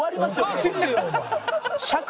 おかしいよお前。